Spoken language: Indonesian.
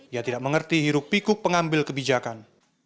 ia tidak mengerti hiruk pikuk pengambil kebijakan